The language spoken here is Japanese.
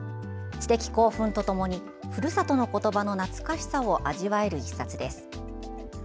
知的興奮とともにふるさとの言葉の懐かしさを味わえる一冊です。